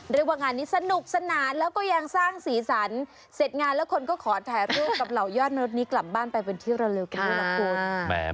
เรียกว่างานนี้สนุกสนานแล้วก็ยังสร้างสีสันเสร็จงานแล้วคนก็ขอถ่ายรูปกับเหล่ายอดมนุษย์นี้กลับบ้านไปเป็นที่ระลึกกันด้วยล่ะคุณ